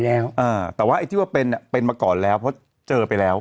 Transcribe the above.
แต่ว่าไอ้ที่ว่าเป็นเนี่ยเป็นมาก่อนแล้วเพราะเจอไปแล้ว